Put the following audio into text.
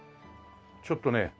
ちょっとね